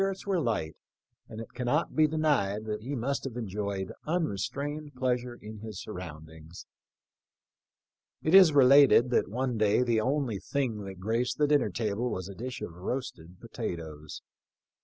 24 THE LIFE OF LWCOLJV. not be denied that he nnust have enjoyed unre strained pleasure in his surroundings. It is related that one day the only thing that graced the dinner table was a dish of roasted potatoes.